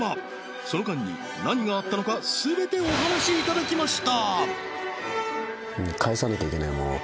その間に何があったのか全てお話しいただきました